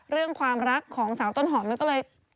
เรื่องความรักของสาวต้นหอมมันก็เลย